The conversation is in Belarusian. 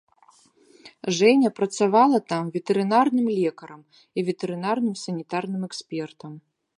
Жэня працавала там ветэрынарным лекарам і ветэрынарным санітарным экспертам.